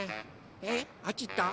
えっあっちいった？